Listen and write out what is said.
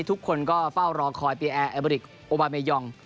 ทุกคนก็เฝ้ารอคอยปีแอร์แอบริกโอบาเมยอง